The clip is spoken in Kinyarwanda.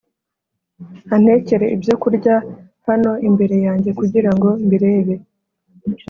antekere ibyokurya hano imbere yanjye kugira ngo mbirebe